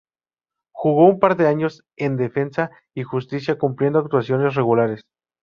Jugó un par de años en Defensa y Justicia cumpliendo actuaciones regulares.